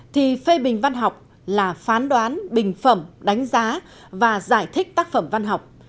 thì phê bình văn học là phán đoán bình phẩm đánh giá và giải thích tác phẩm văn học